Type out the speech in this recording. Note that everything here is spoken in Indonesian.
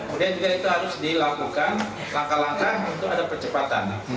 kemudian juga itu harus dilakukan langkah langkah untuk ada percepatan